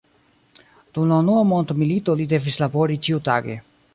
Dum la unua mondmilito li devis labori ĉiutage.